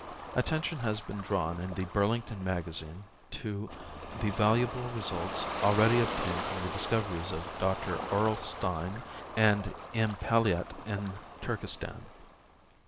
Attention has been drawn in The Burlinglon Magazine to the valuable results already obtained from the discoveries of Dr. Aurel Stein and M. Pelliot in Turkestan.